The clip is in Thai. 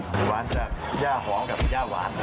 หวานจากย่าหอมกับย่าหวาน